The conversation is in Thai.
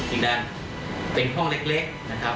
ดินแดนเป็นห้องเล็กนะครับ